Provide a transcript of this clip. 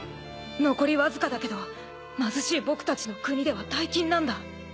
残りわずかだけど貧しい僕たちの国では大金なんだ。